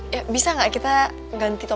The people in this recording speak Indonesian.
ya bisa gak kita ganti cinta